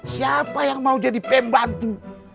siapa yang mau jadi pembantu